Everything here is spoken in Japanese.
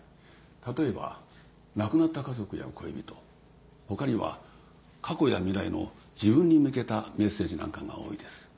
例えば亡くなった家族や恋人他には過去や未来の自分に向けたメッセージなんかが多いです。